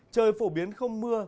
trời phổ biến không mưa